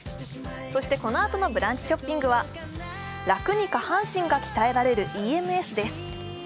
そしてこのあとのブランチショッピングは楽に下半身が鍛えられるＥＭＳです。